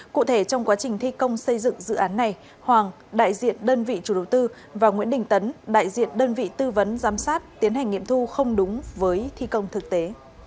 cụ thể trong quá trình thi công xây dựng dự án này hoàng đại diện đơn vị chủ đầu tư và nguyễn đình tấn đại diện đơn vị tư vấn giám sát tiến hành nghiệm thu không đúng với thi công thực tế